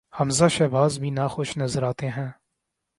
حمزہ شہباز بھی ناخوش نظر آتے تھے۔